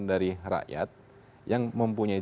dari rakyat yang mempunyai